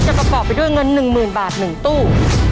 จะกระเป๋าไปด้วยเงิน๑๐๐๐๐บาท๑ตู้